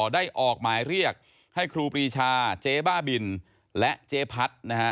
ได้ออกหมายเรียกให้ครูปรีชาเจ๊บ้าบินและเจ๊พัดนะฮะ